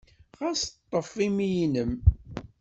Ɣas ḍḍef imi-nnem.